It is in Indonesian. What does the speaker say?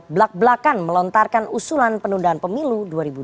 belak belakan melontarkan usulan penundaan pemilu dua ribu dua puluh